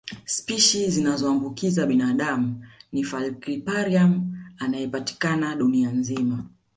Spishi zinazoambukiza binadamu ni falciparum anayepatikana dunia nzima